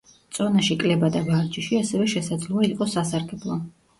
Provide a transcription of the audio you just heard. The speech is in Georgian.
წონაში კლება და ვარჯიში, ასევე შესაძლოა იყოს სასარგებლო.